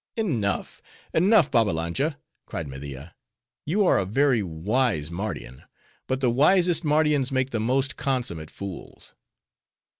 '" "Enough, enough, Babbalanja," cried Media. "You are a very wise Mardian; but the wisest Mardians make the most consummate fools."